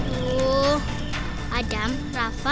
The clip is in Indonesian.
aduh adam rafa